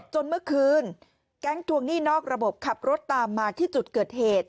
จนเมื่อคืนแก๊งทวงหนี้นอกระบบขับรถตามมาที่จุดเกิดเหตุ